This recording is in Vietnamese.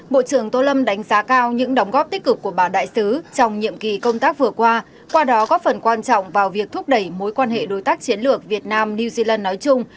bộ trưởng tô lâm đánh giá cao những đóng góp tích cực của bà đại sứ trong nhiệm kỳ công tác vừa qua qua đó góp phần quan trọng vào việc thúc đẩy mối quan hệ đối tác chiến lược việt nam new zealand nói chung